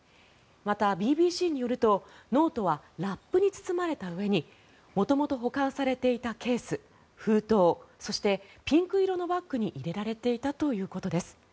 また、ＢＢＣによるとノートはラップに包まれたうえに元々保管されていたケース、封筒そしてピンク色のバッグに入れられていたということです。